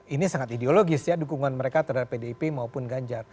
ini sangat ideologis ya dukungan mereka terhadap pdip maupun ganjar